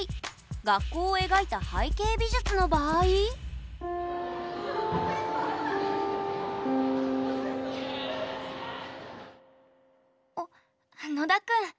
学校を描いた背景美術の場合あっ野田くん